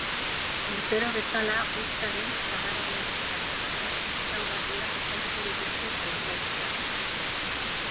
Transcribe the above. Urtero bezala, uztaren, sagarraren eta sagardoaren ezaugarriak azalduko dituzte prentsaurrekoan.